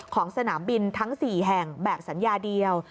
สนามบินทั้ง๔แห่งแบบสัญญาเดียว